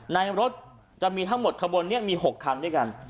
ในรถจะมีทั้งหมดขบวนนี้มี๖คันด้วยกัน